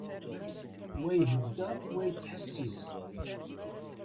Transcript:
Wa ihedder, wa yettḥessis.